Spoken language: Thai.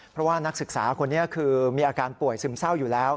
เพราะว่านักศึกษาคนนี้คือมีอาการป่วยซึมเศร้าอยู่แล้ว